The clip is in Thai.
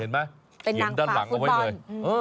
เป็นนางฝากฟุตบอลเขียนด้านหลังเอาไว้เอ่ย